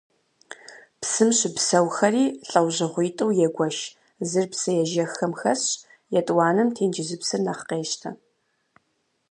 Псым щыпсэухэри лӏэужьыгъуитӏу егуэшыж: зыр псыежэххэм хэсщ, етӏуанэм тенджызыпсыр нэхъ къещтэ.